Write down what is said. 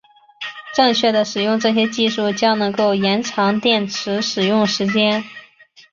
正确的使用这些技术将能够延长电池使用时间。